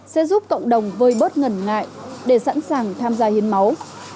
sẽ giúp cộng đồng vơi bớt ngần ngại để sẵn sàng tham gia hiến máu